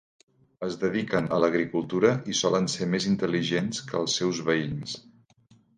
Es dediquen a l'agricultura i solen ser més intel·ligents que els seus veïns.